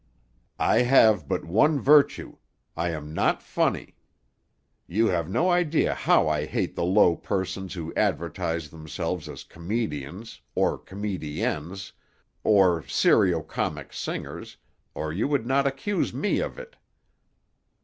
I have but one virtue; I am not funny. You have no idea how I hate the low persons who advertise themselves as comedians, or comediennes, or serio comic singers, or you would not accuse me of it."